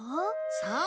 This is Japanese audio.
そう！